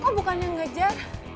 kok bukan yang ngejar